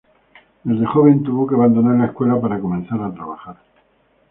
Desde joven tuvo que abandonar la escuela para comenzar a trabajar.